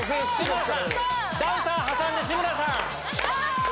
ダンサー挟んで志村さん。